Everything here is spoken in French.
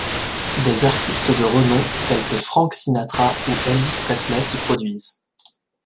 Des artistes de renom tels que Frank Sinatra ou Elvis Presley s'y produisent.